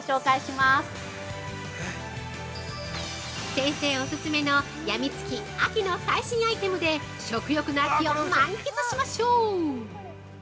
◆先生オススメの病みつき秋の最新アイテムで食欲の秋を満喫しましょう！